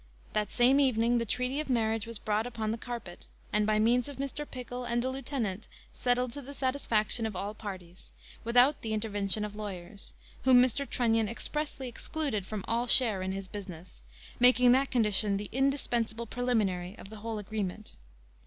That same evening the treaty of marriage was brought upon the carpet, and, by means of Mr. Pickle and the lieutenant, settled to the satisfaction of all parties, without the intervention of lawyers, whom Mr. Trunnion expressly excluded from all share in the business; making that condition the indispensable preliminary of the whole agreement.